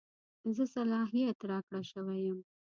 زه صلاحیت راکړه شوی یم.